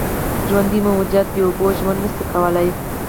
ژوندي موجودات بېاوبو ژوند نشي کولی.